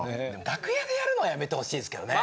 楽屋でやるのはやめてほしいですけどね。